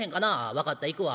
「分かった行くわ。